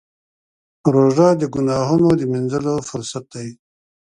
روژه د ګناهونو د مینځلو فرصت دی.